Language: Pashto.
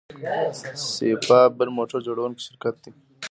سایپا بل موټر جوړوونکی شرکت دی.